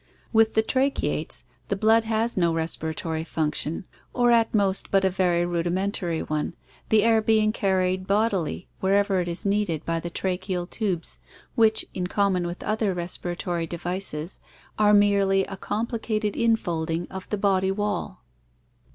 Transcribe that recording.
With the tracheates the blood has no respira tory function or at most but a very rudimentary one, the air being carried bodily wherever it is needed by the tracheal tubes which, in common with other respiratory devices, are merely a compli cated infolding of the body wall.